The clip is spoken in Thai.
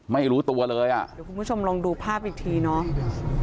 ไม่รู้ตัวเลยอ่ะเดี๋ยวคุณผู้ชมลองดูภาพอีกทีเนาะ